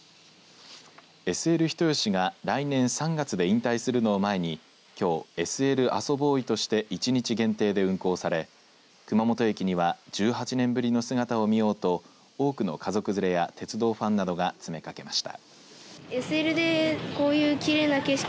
ＳＬ人吉が来年３月で引退するのを前にきょう、ＳＬあそＢＯＹとして一日限定で運行され熊本駅には１８年ぶりの姿を見ようと多くの家族連れや鉄道ファンなどが詰めかけました。